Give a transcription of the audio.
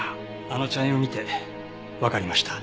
あの茶園を見てわかりました。